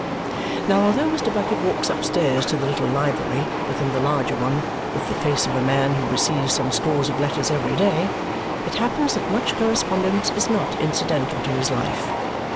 Now although Mr. Bucket walks upstairs to the little library within the larger one with the face of a man who receives some scores of letters every day, it happens that much correspondence is not incidental to his life.